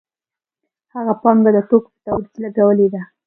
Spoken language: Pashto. هغه پانګه د توکو په تولید لګولې ده